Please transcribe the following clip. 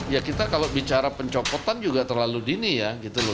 ya kita kalau bicara pencopotan juga terlalu dini ya gitu loh